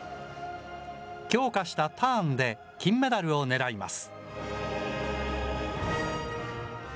強化したターンで金メダルを狙います。